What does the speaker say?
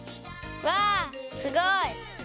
わあすごい！